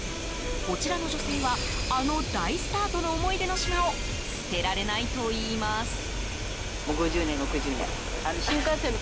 こちらの女性はあの大スターとの思い出の品を捨てられないといいます。